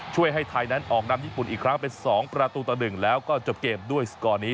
ช่วยให้ไทยนั้นออกนำญี่ปุ่นอีกครั้งเป็น๒ประตูต่อ๑แล้วก็จบเกมด้วยสกอร์นี้